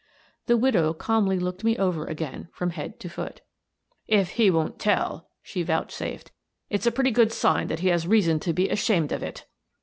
The widow calmly looked me over again from head to foot. "if he won't tell," she vouchsafed, " it's a pretty good sign that he has reason to be ashamed of it."